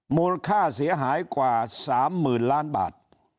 มูลค่าเสียหายกว่า๓๐๐๐ล้านบาท